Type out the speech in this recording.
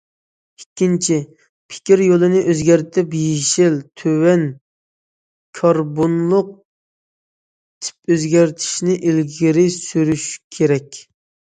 ئىككىنچى، پىكىر يولىنى ئۆزگەرتىپ، يېشىل، تۆۋەن كاربونلۇق تىپ ئۆزگەرتىشنى ئىلگىرى سۈرۈش كېرەك.